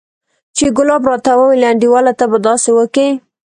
چې ګلاب راته وويل انډيواله ته به داسې وکې.